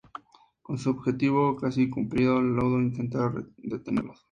Con su objetivo casi cumplido, Ludlow intenta detenerlos.